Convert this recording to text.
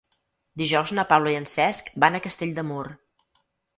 Dijous na Paula i en Cesc van a Castell de Mur.